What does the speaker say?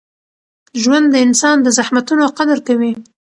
ژوند د انسان د زحمتونو قدر کوي.